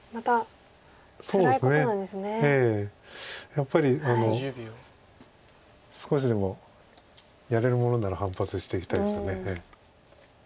やっぱり少しでもやれるものなら反発していきたいですよね。